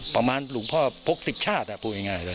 ประมาณลุงพ่อพกสิบชาติอะคิดง่ายเลย